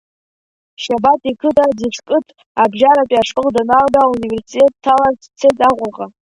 Шьабаҭ иқыҭа Ӡышқыҭ абжьаратәи ашкол даналга, ауниверситет дҭаларц дцеит Аҟәаҟа.